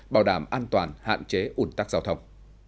bảo đảm an toàn hạn chế ủn tắc giao thông